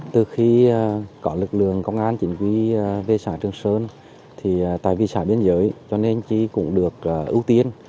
từ khi có lực lượng công an chỉnh quy về xã trường sơn tại vì xã biên giới cho nên chỉ cũng được ưu tiên